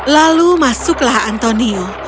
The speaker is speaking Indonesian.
lalu masuklah antonio